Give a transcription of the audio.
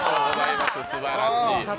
すばらしい！